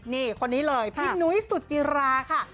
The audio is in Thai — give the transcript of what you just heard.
นี่คนนี้เลยพี่นุ้ยสุจิราค่ะ